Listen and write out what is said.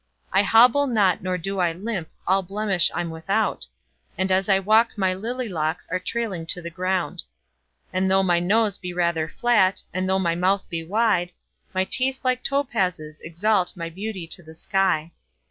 I hobble not nor do I limp, All blemish I'm without, And as I walk my lily locks Are trailing on the ground. And though my nose be rather flat, And though my mouth be wide, My teeth like topazes exalt My beauty to the sky.